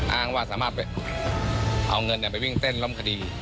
อ้างว่าสามารถไปเอาเงินไปวิ่งเต้นล่มคดี